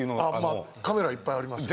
あカメラはいっぱいありますね